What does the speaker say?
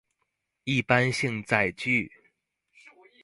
一般性載具